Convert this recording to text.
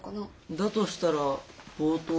だとしたら冒頭は。